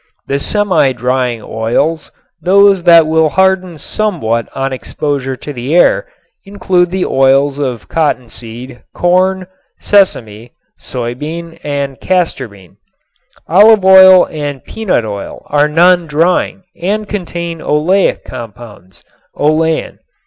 The "semi drying oils," those that will harden somewhat on exposure to the air, include the oils of cottonseed, corn, sesame, soy bean and castor bean. Olive oil and peanut oil are "non drying" and contain oleic compounds (olein).